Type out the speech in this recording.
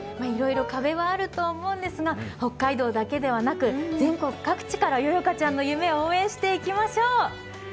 いろいろ壁はあると思うんですが北海道だけではなく全国各地からＹＯＹＯＫＡちゃんの夢を応援していきましょう。